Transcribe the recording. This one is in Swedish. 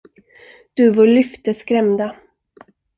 Duvor lyfte skrämda.